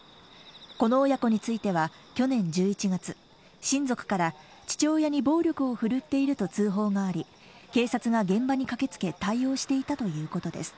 この親子については去年１１月、親族から父親に暴力を振るっていると通報があり、警察が現場に駆けつけ対応していたということです。